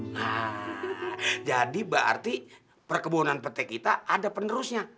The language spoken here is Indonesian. nah jadi berarti perkebunan petai kita ada penerusnya